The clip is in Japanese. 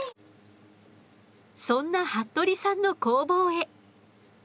そんな服部さんの工房へ。